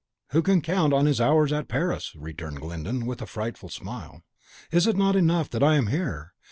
"Who can count on his hours at Paris?" returned Glyndon, with a frightful smile. "Is it not enough that I am here!